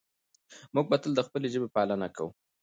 موږ به تل د خپلې ژبې پالنه کوو.